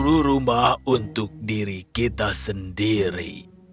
seluruh rumah untuk diri kita sendiri